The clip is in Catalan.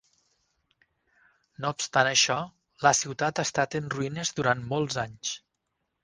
No obstant això, la ciutat ha estat en ruïnes durant molts anys.